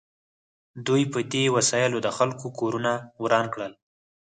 دوی په دې وسایلو د خلکو کورونه وران کړل